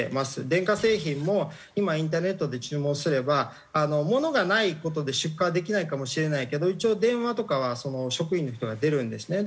電化製品も今インターネットで注文すれば物がない事で出荷はできないかもしれないけど一応電話とかは職員の人が出るんですね。